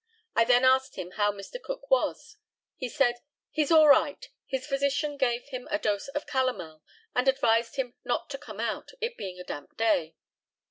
I then asked him how Mr. Cook was? He said, "He's all right; his physician gave him a dose of calomel, and advised him not to come out, it being a damp day."